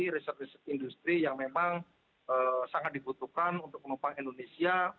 riset riset industri yang memang sangat dibutuhkan untuk penumpang indonesia